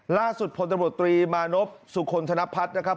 ล่าสุดพลตำรวจตรีมานพสุคลธนพัฒน์นะครับ